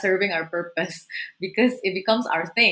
karena itu menjadi hal kami